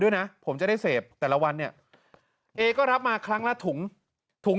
ด้วยนะผมจะได้เสพแต่ละวันเนี่ยเอก็รับมาครั้งละถุงถุง